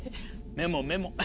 メモメモ。